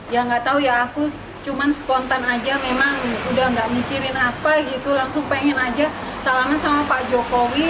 ya nggak tahu ya aku cuma spontan aja memang udah gak mikirin apa gitu langsung pengen aja salaman sama pak jokowi